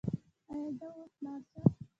ایا زه اوس لاړ شم؟